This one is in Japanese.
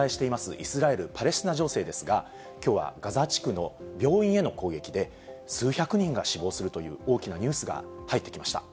イスラエル・パレスチナ情勢ですが、きょうはガザ地区の病院への攻撃で、数百人が死亡するという大きなニュースが入ってきました。